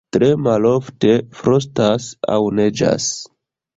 Tre malofte frostas aŭ neĝas.